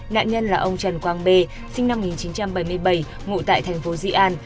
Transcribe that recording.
nạn nhân là ông trần quang b sinh năm một nghìn chín trăm bảy mươi bảy ngụ tại thành phố dị an